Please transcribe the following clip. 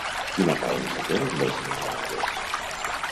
Quina aparença tenen les agaves?